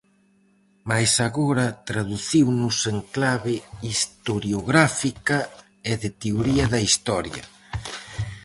Mais agora traduciunos en clave historiográfica e de teoría da Historia.